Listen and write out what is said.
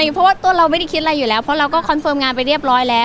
เพราะว่าตัวเราไม่ได้คิดอะไรอยู่แล้วเพราะเราก็คอนเฟิร์มงานไปเรียบร้อยแล้ว